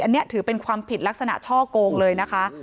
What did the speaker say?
อันนี้ถือเป็นความผิดลักษณะช่อโกงเลยนะคะ